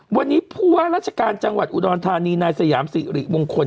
วันนี้ผู้ว่าราชการจังหวัดอุดรธานีนายสยามสิริมงคล